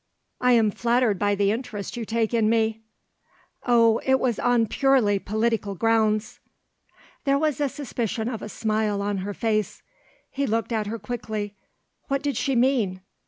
"I am flattered by the interest you take in me." "Oh, it was on purely political grounds." There was the suspicion of a smile on her face. He looked at her quickly. What did she mean?